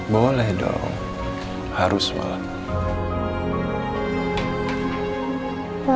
boleh dong harus bala